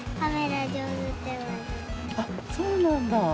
あっそうなんだ。